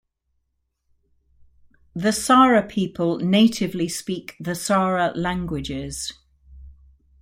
The Sara people natively speak the Sara languages.